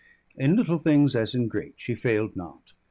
In little things as in great she failed not.